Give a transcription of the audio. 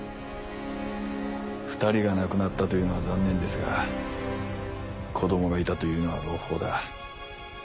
２人が亡くなったというのは残念ですが子供がいたというのは朗報だ。